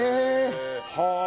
はあ。